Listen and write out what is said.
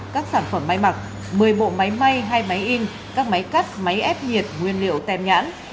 các sản phẩm may mặc một mươi bộ máy may hai máy in các máy cắt máy ép nhiệt nguyên liệu tem nhãn